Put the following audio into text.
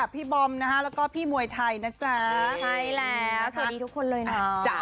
พี่บอมนะฮะแล้วก็พี่มวยไทยนะจ๊ะสวัสดีทุกคนเลยนะ